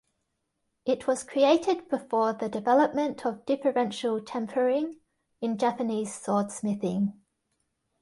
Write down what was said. It was created before the development of differential tempering in Japanese swordsmithing.